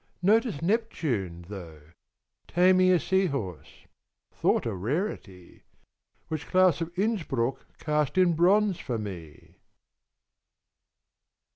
Notice Neptune, though, Taming a sea horse, thought a rarity, Which Claus of Innsbruck cast in bronze for me!